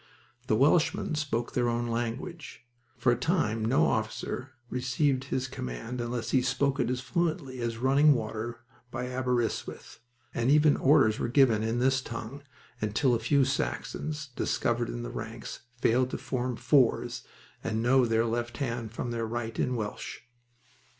The Welshmen spoke their own language. For a time no officer received his command unless he spoke it as fluently as running water by Aberystwyth, and even orders were given in this tongue until a few Saxons, discovered in the ranks, failed to form fours and know their left hand from their right in Welsh.